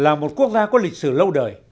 là một quốc gia có lịch sử lâu đời